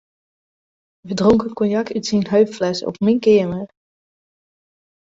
We dronken konjak út syn heupflesse op myn keamer.